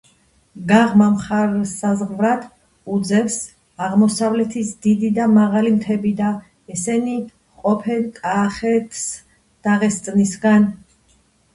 გაღმა მხარსსაზღვრად უძევს აღმოსავლეთის დიდი და მაღალი მთები და ესენი ჰყოფენ კახეთსდაღესტნისაგან.